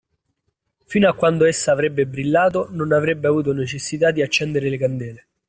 Fino a quanto essa avrebbe brillato, non avrebbe avuto necessità di accendere le candele.